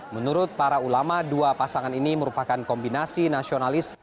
menurut para ulama dua pasangan ini merupakan kombinasi nasionalis